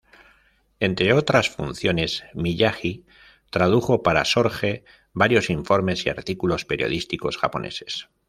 Entre otras funciones, Miyagi tradujo para Sorge varios informes y artículos periodísticos japoneses.